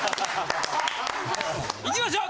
いきましょう！